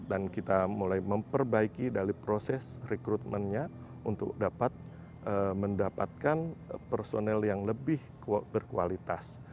dan kita mulai memperbaiki dari proses rekrutmennya untuk dapat mendapatkan personil yang lebih berkualitas